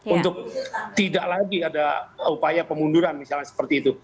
untuk tidak lagi ada upaya pemunduran misalnya seperti itu